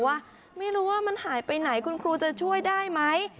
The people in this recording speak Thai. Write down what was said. ว่าไม่รู้ว่ามันหายไปไหนคุณครูจะช่วยได้ไหม